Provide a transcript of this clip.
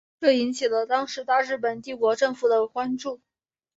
这引起了当时大日本帝国政府的关注。